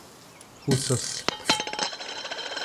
Russas